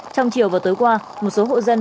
trong chiều và tối qua một số hộ dân